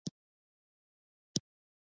يو کس په چالاکي خپله قضيه وړاندې کړي.